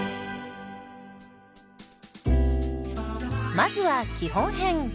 まずは基本編。